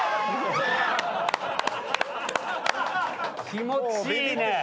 気持ちいいね。